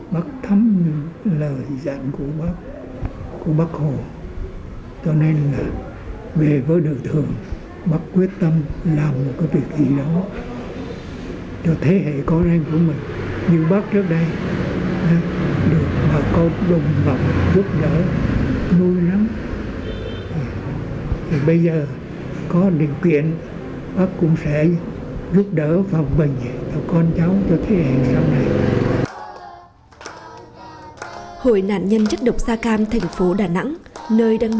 bắc thắm là dạng của bắc hồ